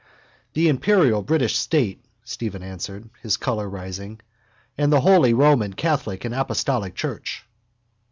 —The imperial British state, Stephen answered, his colour rising, and the holy Roman catholic and apostolic church.